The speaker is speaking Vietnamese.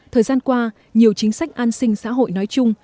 thời gian qua nhiều chính sách an sinh xã hội nói chung